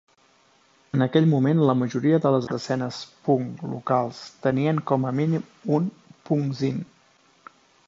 En aquell moment, la majoria de les escenes punk locals tenien com a mínim un "punkzín".